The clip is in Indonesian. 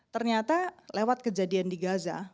ternyata lewat kejadian di gaza